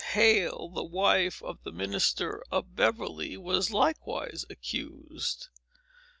Hale, the wife of the minister of Beverly, was likewise accused.